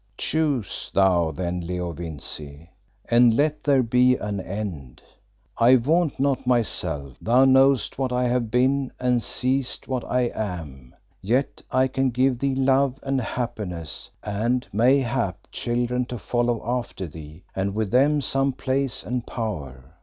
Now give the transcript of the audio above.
"Choose thou then Leo Vincey, and let there be an end. I vaunt not myself; thou knowest what I have been and seest what I am. Yet I can give thee love and happiness and, mayhap, children to follow after thee, and with them some place and power.